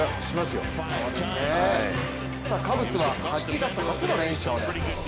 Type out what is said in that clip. カブスは８月初の連勝です。